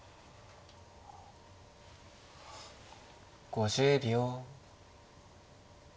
５０秒。